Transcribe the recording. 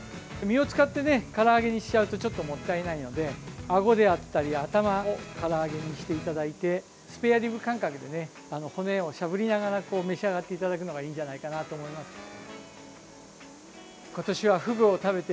身を使ってから揚げにしちゃうとちょっともったいないのであごであったり頭をから揚げにしていただいてスペアリブ感覚で骨をしゃぶりながら召し上がっていただくのがいいんじゃないかなと思います。